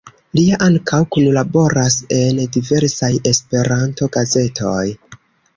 Lia ankaŭ kunlaboras en diversaj Esperanto-gazetoj.